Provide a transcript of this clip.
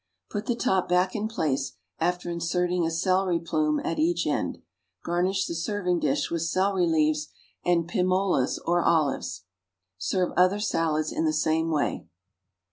Put the top back in place, after inserting a celery plume at each end. Garnish the serving dish with celery leaves and pim olas or olives. Serve other salads in the same way.